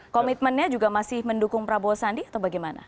komitmennya juga masih mendukung prabowo sandi atau bagaimana